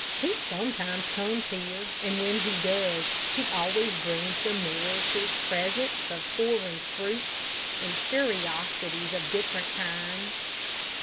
He sometimes comes here, and when he does, he always brings the Morrises presents of foreign fruits and curiosities of different kinds.